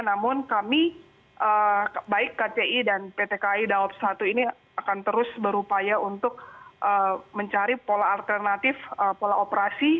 namun kami baik kci dan pt kai dawab satu ini akan terus berupaya untuk mencari pola alternatif pola operasi